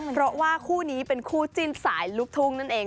เพราะว่าคู่นี้เป็นคู่จิ้นสายลูกทุ่งนั่นเอง